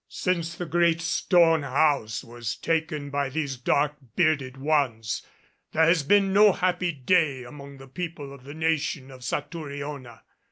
Since the great stone house was taken by these dark bearded ones there has been no happy day among the people of the nation of Satouriona.